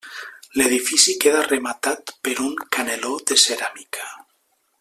L'edifici queda rematat per un caneló de ceràmica.